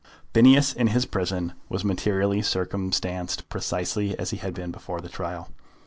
Phineas in his prison was materially circumstanced precisely as he had been before the trial.